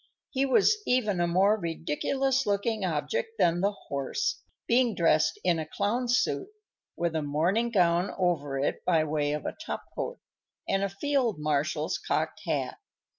He was even a more ridiculous looking object than the horse, being dressed in a clown's suit, with a morning gown over it by way of a top coat, and a field marshal's cocked hat.